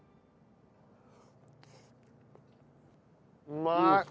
うまい！